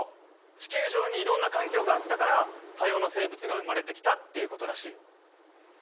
地球上にいろんな環境があったから多様な生物が生まれてきたっていうことらしいよ。